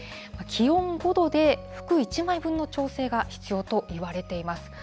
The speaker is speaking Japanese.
気温５度で、服１枚分の調整が必要といわれています。